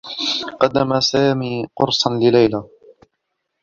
قدّم سامي قرصا لليلى.